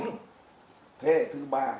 thế hệ thứ ba